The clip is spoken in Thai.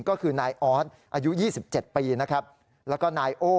ก็คือนายอ๊อทอายุยี่สิบเจ็ดปีนะครับแล้วก็นายโอ่